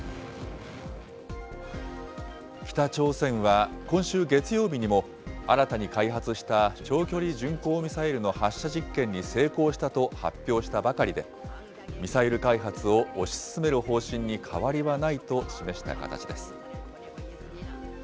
北朝鮮は今週月曜日にも新たに開発した長距離巡航ミサイルの発射実験に成功したと発表したばかりで、ミサイル開発を推し進める方針に変わりはないと示した形です。